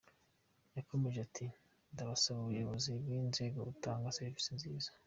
Yakomeje ati “Ndabasa abayobozi b’ inzego gutanga serivise nziza.